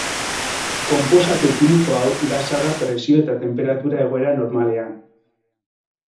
Konposatu kimiko hau gasa da presio eta tenperatura egoera normalean.